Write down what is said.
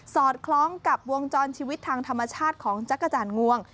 อดคล้องกับวงจรชีวิตทางธรรมชาติของจักรจันทร์งวง